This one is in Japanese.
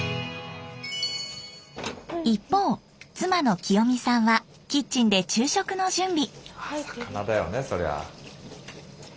一方妻の清美さんはキッチンで昼食の準備。